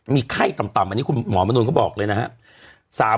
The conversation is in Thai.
มีไข้ต่ำอันนี้คุณหมอมนุนเขาบอกเลยนะครับ